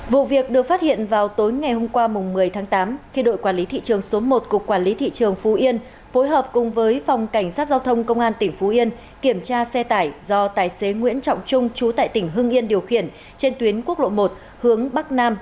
vụ việc được phát hiện vào tối ngày hôm qua một mươi tháng tám khi đội quản lý thị trường số một cục quản lý thị trường phú yên phối hợp cùng với phòng cảnh sát giao thông công an tỉnh phú yên kiểm tra xe tải do tài xế nguyễn trọng trung chú tại tỉnh hưng yên điều khiển trên tuyến quốc lộ một hướng bắc nam